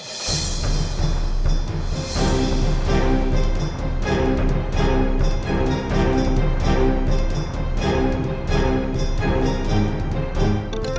โปรดติดตามตอนต่อไป